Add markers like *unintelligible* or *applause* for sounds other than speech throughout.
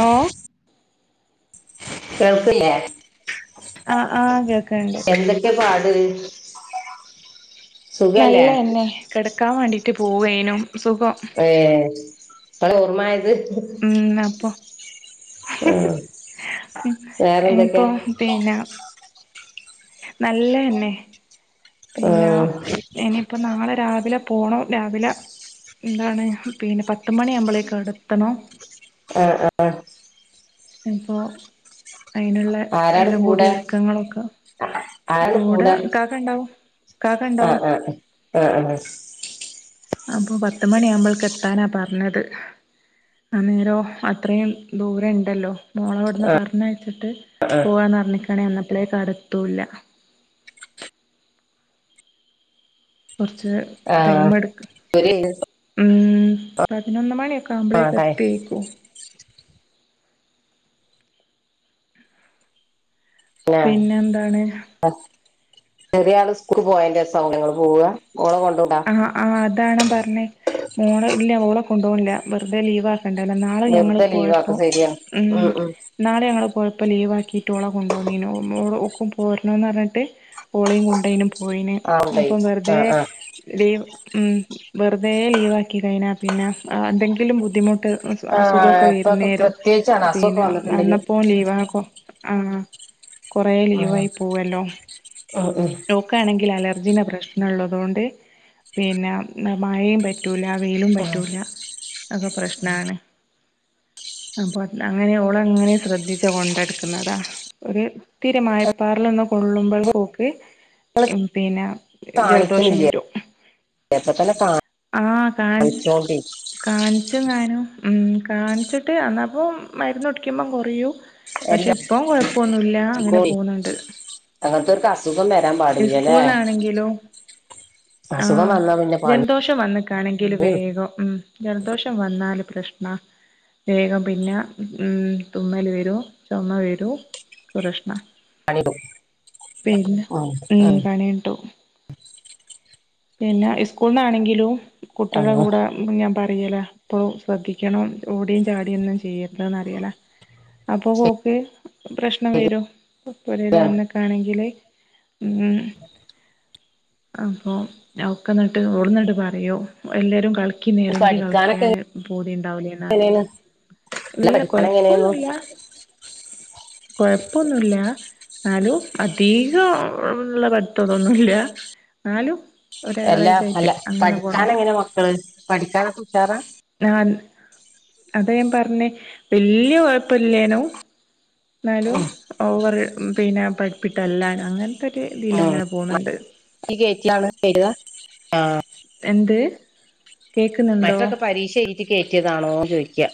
ഓ കേൾക്കില്ലേ ആഹ് ആ കേൾക്ക്ണ്ട് എന്തൊക്കെ *unintelligible* സുഖല്ലേ നല്ലന്നെ കെടക്കാൻ വേണ്ടി റ്റ് പോവേനു ഏഹ് പ്പള ഓർമായത് ഉംഹ് അപ്പം ഉം വേറെന്തൊക്കെ ഇപ്പൊ പിന്നെ നല്ലേന്നെ പിന്ന ഉം ഇനിയിപ്പ നാളെ രാവിലെ പോണം രാവിലെ എന്താണ് പിന്നെ പത്ത് മണിയാക്മ്പളേക്ക് അടെത്തണം ആഹ് ആഹ് ഇപ്പോ അയിന്ള്ളെ ആരാണ് എല്ല കൂടി കൂടെ ഒരുക്കങ്ങളൊക്കെ കൂടെ കാക്കണ്ടാവും ആ കാക്കണ്ടാവും ആ ആ അപ്പൊ പത്തുമണിയാമ്പൾക്കെത്താനാ പറഞ്ഞത്. അന്നേരോ അത്രയും ദൂരണ്ടല്ലോ. മോളെവട്ന്ന് ആ പർഞ്ഞയ്ച്ചിട്ട് ആ പോവാന്നർഞ്ഞിക് ങ്ങണെ എന്ന പ്ലേ കാടെത്തൂല കൊർച്ച് ആ ടൈമെട് ഉംഹ് ഒരു ഉം പതിനൊന്ന് മണി ആ ടൈ കാമ്പ്ളെത്തെയ്ക്കും ആ പിന്നെ എന്താണ് ചെറിയ ആള് സ്കൂൾക്ക് പോയേന്റെസാവുലെ ഇങ്ങള് പോവാ ഓളെ കൊണ്ടോവ്ണ്ടാ താണ് പറ്ഞ്ഞേ മോള് ഇല്ലാ മോളെ കൊണ്ടോവ്ണ്ല്ല വെറുതെ ലീവാ ക്കണ്ടല്ലൊ ഇന്നാള് ഞങ്ങള് വെറുതെ ലീവാക്ക പോയപ്പോ ശരിയാ ഉം ഇന്നാള് ഞങ്ങള് പോയപ്പോ ലീവാ ക്കീട്ടോളെ കൊണ്ടോന്നിനു ഒ മോളെ ഓക്കും പോരണോന്നർഞ്ഞാട്ട് ഓളീം കൊണ്ടോയിനു പോയിനെ ആ ഉണ്ടായി അപ്പം ആ വെറ്തെ ആ *unintelligible* ഉം വെറുതെ ലീവാക്കിലെ അയിനാ പിന്നെ ആഹ് എന്തെങ്കിലും ബുദ്ധിമുട്ട് അസു ആ അസുഖൊക്കെ ഇപ്പൊക്കെ വര്ന്നേരും പ്രത്യേകിച്ചാണ് അസുഖൊക്കെ പിന്നെ വന്നിട്ടുണ്ടെങ്കിൽ അന്നപ്പോൻ ലീവാക്കും ആഹ് കൊറെ ഉം ലീവായി പോവല്ലോ ഉം ഓൾക്കണെങ്കില് അലർ ജിനെ പ്രശ്നള്ളതോണ്ട് പിന്നെ ഉം ആഹ് മഴിം പ റ്റൂലാ വെയിലും ഉം ഉം പറ്റൂലാ അഹൊ പ്രശ്നാണ് അപ്പൊ അത് അങ്ങനെ ഓളെ അങ്ങനെ ശ്രദ്ധിച്ചാ കൊണ്ടട്ക്ക്ന്നെ അതാ ഒര് ഇത്തിരി മായപ്പാറലൊന്ന് കൊള്ളുമ്പൾക്കോക്ക് ഇമ് പിന്നാ ജലദോഷം കാണിക്കണില്ലേ വരും അപ്പൊ തന്നെ ആ കാൺ കാണിച്ചോണ്ടി കാണിച്ചതാനു മ് കാണിച്ചിട്ട് അന്നപ്പം മരുന്നുടിക്കുമ്പം കൊറയു പക്ഷെ എല്ലാ ഇപ്പം കൊഴപ്പൊന്നുല്ല അങ്ങനെ പോന്നുണ്ട് അങ്ങനത്തെ ഒരു അസുഖം വരാൻ പാടില്ലല്ലേ ഇസ്കൂളന്നാണെങ്കിലു ആ അസുഖം വന്നാ പിന്നെ പണി ജലദോഷംവന്നക്കാണെങ്കി വേഗം ഉം ജലദോഷം വന്ന ന്നാലും പ്രശ്ണാ വേഗം പിന്നെ ഉം തുമ്മല് വരൂ ചോമ വരൂ ഒക്കേ പ്രശ്ണാ പണി പിന്നെ ഉം പണിട്ടും പിന്നെ ഇസ്കൂളിന്നാണെങ്കിലു ഉം കുട്ടിളെ ആഹ് കൂടെ ഞമ്മ് പറയലാ അപ്പോ ശ്രദ്ധിക്കണം ഓടിം ചാടിം ഒന്നും ചെയ്യരുതന്ന് അറിയല അപ്പൊ ഓക്ക് പ്രശ്നം ശരിയാണ് വരും പൊരേല് വന്നക്കാണെങ്കില് മ്മ് അപ്പോം ഒക്കന്നട്ട് ഓള്ന്നട്ട് പറയോം എല്ലാരും കളി ക്കി നിറങ്ങി പഠിക്കാനൊക്കെ കളിക്ക്യാൻ പൂതിണ്ടാവില്ലേന്ന് എങ്ങനെയാണ് പറയോം അല്ല ഇല്ല പഠിക്കാൻ എങ്ങനെയായിരുന്നു കൊഴപ്പൊന്നുല്ല കൊഴപ്പൊന്നുല്ല എന്നാലും അധികൊന്നുള്ള പഠിതോന്നുമല്ല ന്നാലും. എല്ലാ അല്ല പഠിക്കാൻ എങ്ങനെ മക്കള് പഠിക്കാനൊക്കെ ഉഷാറാ? ഞാൻ അതെ ഞാൻ പറഞ്ഞേ വല്യ കൊഴപ്പുല്യേനു. എന്നാലു ഓവറ് പിന്നെ പഠപ്പിട്ടല്ലാന്നും അങ്ങ ആഹ് മാറ്റി കേറ്റിലാണ് ചെയ്ക. ആഹ്. എന്തേ? മറ്റൊക്കെ പരീക്ഷയെഴ്തി. കേറ്റിയതാണോന്ന് ചോദിക്ക.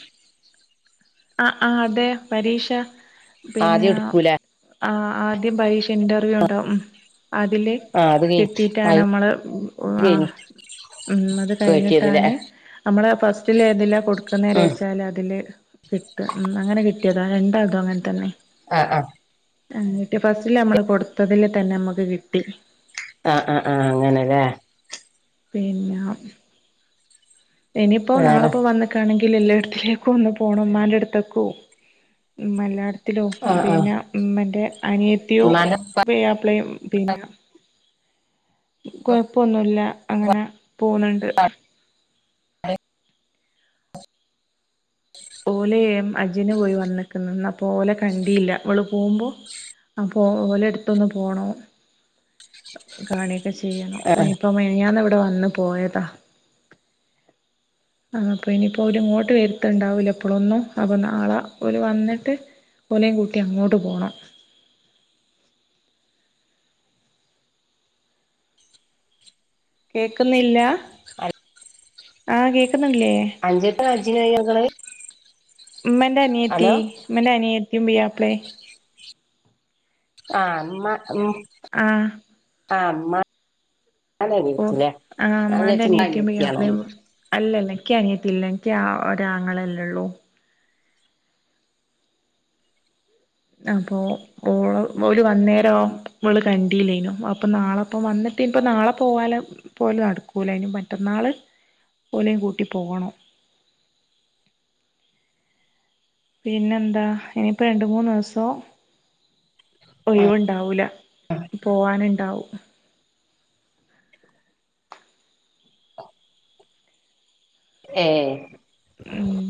ആ ആ അതെ പരീക്ഷ. പിന്നെ ആദ്യം എടുക്കൂലേ ആ ആദ്യം പരീക്ഷ ഇന്റർവ്യൂ ഉണ്ടാവും ഉം. അതില് ആ അത് കഴിഞ്ഞ് അത് കിട്ടിയിട്ടാണ് നമ്മള് കഴിഞ്ഞ് ഉം അത് കയറ്റിയതല്ലേ കഴിഞ്ഞിട്ടാണ് നമ്മളെ ഫസ്റ്റില് ഏതില കൊടു ക്ക നേര ഉം വച്ചാല് അതില് അങ്ങനെ കിട്ടിയതാണ് രണ്ടാൾതും അങ്ങനെ തന്നെ അഹ് ആഹ് ആ കിട്ട് ഫസ്റ്റില് നമ്മള് കൊടുത്തതില് തന്നെ നമ്മുക്ക് കിട്ടി ആ ആ ആ അങ്ങനെല്ലേ പിന്നെ ഇനിയിപ്പോ വേറെ നാളെപ്പോ വന്നക്കാണെങ്കിൽ എല്ലായിടത്തിലേക്കും ഒന്ന് പോണം ഉമ്മാന്റെ അടുത്തേക്കോ ഉം എല്ലായിടത്തും ത്തിലോ ആഹ് ആഹ് പിന്നെ ഇമ്മാന്റെ അനിയത്തിയും ഉമ്മാന്റെ ഉപ്പ പുഴ അ പിന്നെ കൊഴപ്പൊന്നുല്ല അങ്ങനെ പോകുന്നുണ്ട് ഓല ഹജിന്‌ പോയി വന്നിക്കുണ് അപ്പൊ ഓല കണ്ടിയില്ല ഇവൾ പോകുമ്പോ ആ ഓല എടുത്തൊന്ന് പോണോ കാണ ചെയ്യണം ആഹ് ഇപ്പ മിനിഞ്ഞാന്ന് ഇവടെ വന്നു പോയതാ ആ അപ്പ ഇനിപ്പോ ഇങ്ങോട്ട് വരുണ്ടാവൂല അപ്പോളൊന്ന അപ്പൊ നാളെ ഒല് വന്നിട്ട് ഒലയും കൂട്ടി അങ്ങോട്ട് പോണം കേക്ന്നില്ല അ ആ *unintelligible* കേ അഞ്ചെട്ട അജജിനയ വന്നികുനെ മ്മന്റെ അനിയത്തി മന്റെ അനിയത്തി ഇമ്മീയാപ്പിലെ ആ അമ്മ മ് ആഹ് അമ്മ ഓ ആഹ ഇമ്മാന്റെ ഇങ്ങളെ അനയത്തിയും പ്യ യ്യാപ്പള അനിയത്തിയാണോന്ന് അല്ലല്ലേ ക്ക് അനിയത്തില്ല എനിക്ക് ഒരാങ്ങളല്ലേള്ളൂ അപ്പൊ ഓള പോല വന്നേരം വിള് കണ്ടില്ലൈനും അപ്പൊ നാളെപ്പം വന്നിട്ടേ ഇനിപ്പോ നാളെ പോകാന പോലും നടക്കൂലായിനും മറ്റന്നാള് പോഓലെ കൂട്ടി പോകണം പിന്നെന്താ ഇനിയിപ്പോ രണ്ട് മൂന്ന് ദിവസോ ഒഴിവുണ്ടാവൂല പോവാനുണ്ടാവും ആ ഏ മ്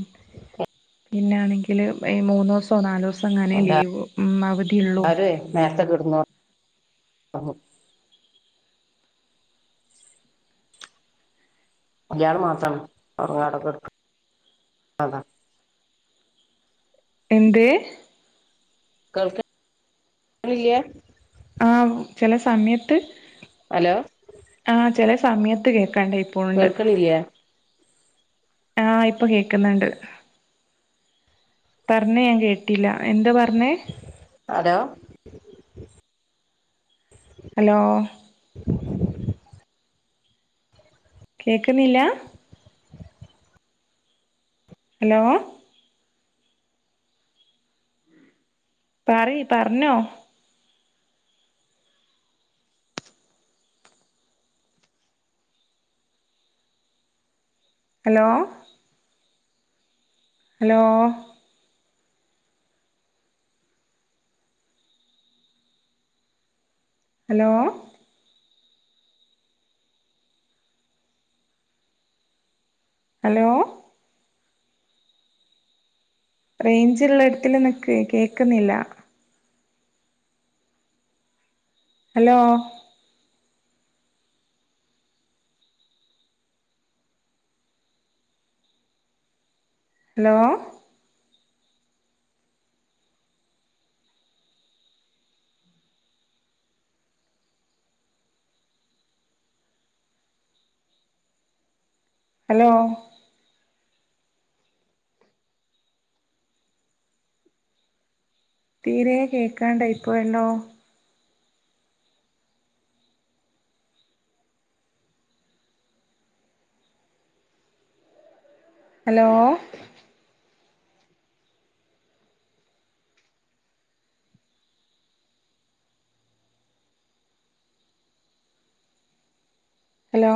പിന്നൊണെങ്കിൽ ഈ മൂന്ന് ദിവസോ നാല ദിവസം അങ്ങനെ ലീവ് ഉം അവധിയള്ളു മ് യാള് മാത്രാണ് ഉറങ്ങട അതാ എന്ത കേൾക്കണില്ല ആഹ് ചില സമയത്ത് ഹലോ ആ ചില സമയത്ത് കേൾക്കും കട്ടായി പോണ് ണ്ട്- കേൾക്ക്ണില്ല്യ ആഹ ഇപ്പൊ കേക്കുന്നുണ്ട് പറഞ്ഞ ഞാൻ കേട്ടില്ല എന്താ പറഞ്ഞേ ഹലോ ഹലോ *inaudible* കേക്കുന്നില്ല ഹലോ പറയ് പറഞ്ഞോ- ഹലോ ഹലോ ഹലോ ഹലോ റേഞ്ചള്ള ഇടത്തി നിക്ക് കേക്കുന്നില്ല ഹലോ ഹലോ ഹലോ തീരേ കേക്കാണ്ടായിപ്പോയല്ലോ? ഹലോ ഹലോ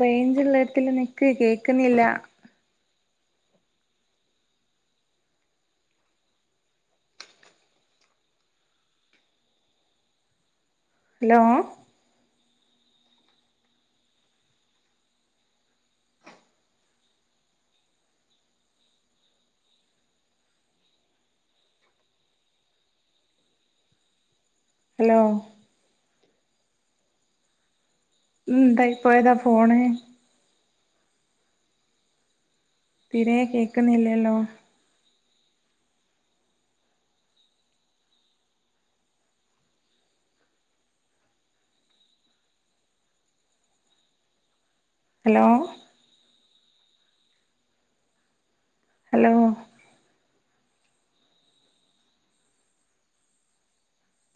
റേഞ്ച് ഉള്ളടത്തി നിക്ക് കേക്കുന്നില്ല ഹലോ ഹലോ ഉന്താ പോയതാ ഫോണ് തിരെ കേക്കുന്നില്ലല്ലോ ഹലോ ഹലോ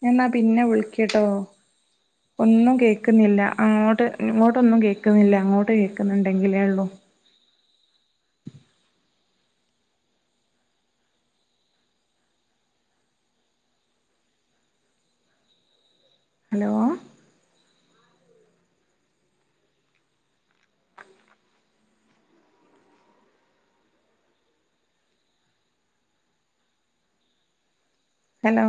എന്നാ പിന്നെ വിളിക്കട്ടോ ഒന്നും കേക്കുന്നില്ല അങ്ങോട്ട് ഇങ്ങോട്ടൊന്നും കേക്കുന്നില്ല അങ്ങോട്ട് കേക്കുന്നുണ്ടെങ്കിലേ ഉള്ളു ഹലോ ഹലോ